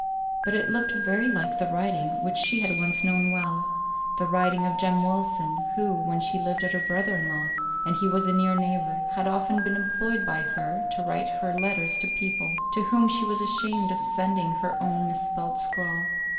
But it looked very like the writing which she had once known well the writing of Jem Wilson, who, when she lived at her brother in law's, and he was a near neighbour, had often been employed by her to write her letters to people, to whom she was ashamed of sending her own misspelt scrawl.